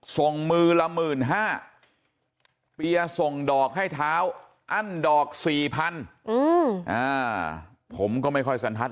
ส่งมือละ๑๕๐๐เปียร์ส่งดอกให้เท้าอั้นดอก๔๐๐ผมก็ไม่ค่อยสันทัศ